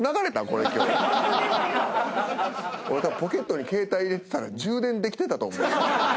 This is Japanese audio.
これ今日俺たぶんポケットに携帯入れてたら充電できてたと思うよ